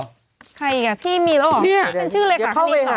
ไงอีกอ่ะพี่มีเนี่ยหรือ